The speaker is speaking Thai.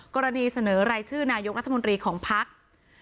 กรณีเสนอรายชื่อนายกรัฐมนตรีของภักดิ์